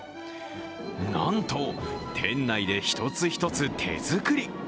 なんと店内で一つ一つ手作り。